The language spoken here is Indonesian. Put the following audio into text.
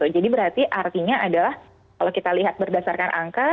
berarti artinya adalah kalau kita lihat berdasarkan angka